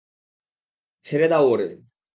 ছেড়ে দাও ওরে।